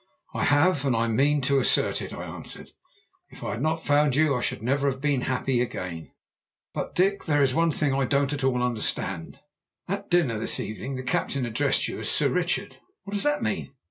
"I have, and I mean to assert it!" I answered. "If I had not found you, I should never have been happy again." "But, Dick, there is one thing I don't at all understand. At dinner this evening the captain addressed you as Sir Richard. What does that mean?"